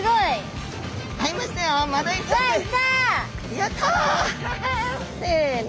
やった！せの！